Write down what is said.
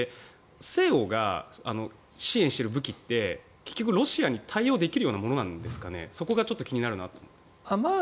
西洋が支援している武器って結局ロシアに対応できるものなんですかそこが気になります。